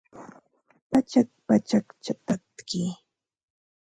Pachak pachakcha tatki